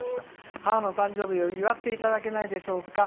母の誕生日を祝っていけないでしょうか。